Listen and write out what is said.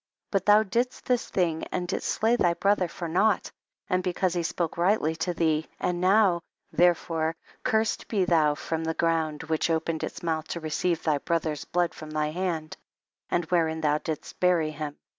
31. But thou didst this thing and didst slay thy brother for naught and because he spoke rightly to thee^ and now, therefore, cursed be thou from the ground which opened its mouth to receive thy brother's blood from thy hand, and wherein thou didst bury him.